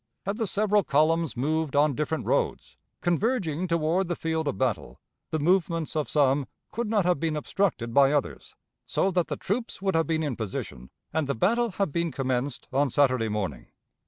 Had the several columns moved on different roads, converging toward the field of battle, the movements of some could not have been obstructed by others, so that the troops would have been in position and the battle have been commenced on Saturday morning.